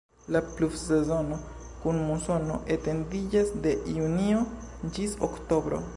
La pluvsezono kun musono etendiĝas de junio ĝis oktobro.